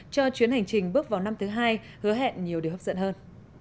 cho chuyến hành trình bước vào năm thứ hai hứa hẹn nhiều điều hấp dẫn hơn